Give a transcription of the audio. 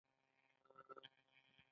زما شپه د پښتو ژبې قرباني شوه.